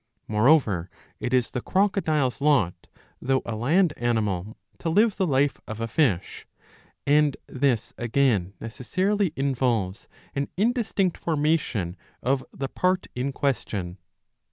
^'' Moreover it is the crocodile's lot though a land animal to live the life of a fish, and this again necessarily involves an indistinct formation of the part in question.